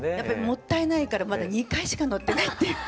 もったいないからまだ２回しか乗ってないっていう。